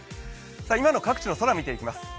今の各地の空、見ていきます。